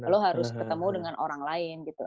lo harus ketemu dengan orang lain gitu